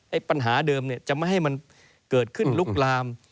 ปัญหาเดิมเนี่ยจะไม่ให้มันเกิดขึ้นลุกลาม